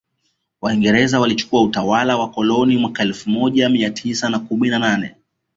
Waingereza walichukua utawala wa koloni mwaka elfu moja mia tisa na kumi na nane